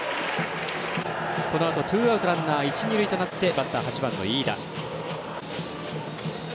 このあとツーアウトランナー、一、二塁となってバッター、８番の飯田。